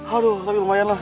aduh tapi lumayan lah